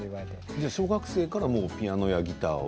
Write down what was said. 小学生のころからピアノやギターを。